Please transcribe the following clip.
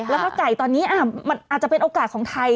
แล้วก็ไก่ตอนนี้มันอาจจะเป็นโอกาสของไทย